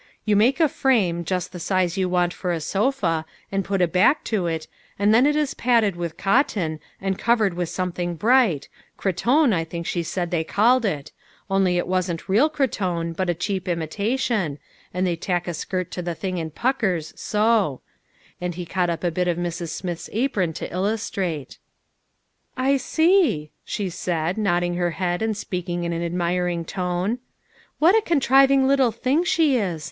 You make a frame, just the size you want for a sofa, and put a back to it, then it is padded with cotton, and covered with something bright, cretonne, I think she said they called it, only it wasn't real cretonne, but a cheap imitation, and they tack a skirt to the thing in puckers, so," and he caught up a bit of Mrs. Smith's apron to illustrate. " I see," she said, nodding her head and speak ing in an admiring tone. " What a contriving little thing she is!